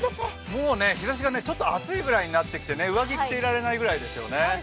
もう日ざしがちょっと暑いぐらいになってきて上着を着ていられないぐらいですよね。